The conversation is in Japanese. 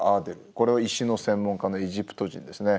これは石の専門家のエジプト人ですね。